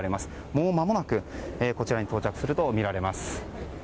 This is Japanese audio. もうまもなくこちらに到着するとみられます。